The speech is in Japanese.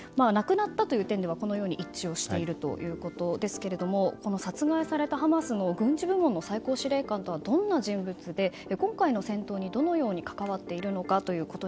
亡くなったという点では一致しているということですが殺害されたハマスの軍事部門の最高司令官とはどんな人物で今回の戦闘にどのように関わっているのか。